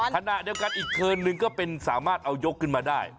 ขณะเดียวกันอีกเทินหนึ่งก็เป็นสามารถเอายกขึ้นมาได้